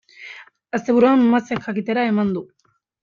Asteburuan Masek jakitera eman du.